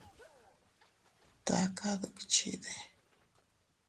¿Taka dukchide?